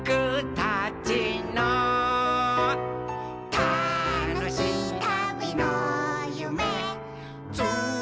「たのしいたびのゆめつないでる」